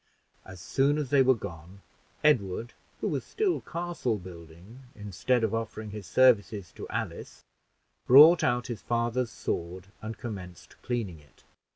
As soon as they were gone, Edward, who was still castle building, instead of offering his services to Alice, brought out his father's sword and commenced cleaning it.